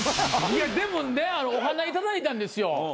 でもねお花頂いたんですよ。